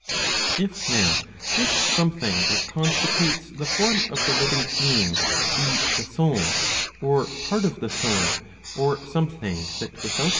If now this something that constitutes the form of the living being be the souV* or part of the soul, or something that without 641a.